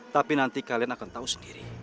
tapi nanti kalian akan tahu sendiri